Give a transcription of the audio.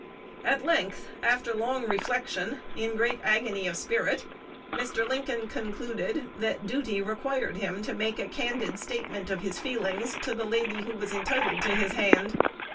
At length, after long reflection, in great agony of spirit, Mr. Lincoln concluded that duty required him to make a candid statement of his feelings to the lady who was entitled to his hand.